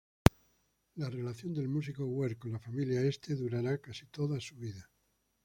La relación del músico Wert con la familia Este durará casi toda su vida.